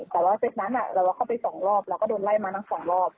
แต่ว่าเศรษฐ์นั้นเราเข้าไป๒รอบเราก็โดนไล่มาทั้ง๒รอบ